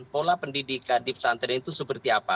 pola pendidikan di pesantren itu seperti apa